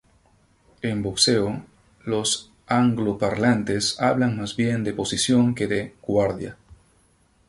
En boxeo, los angloparlantes hablan más bien de "posición" que de "guardia".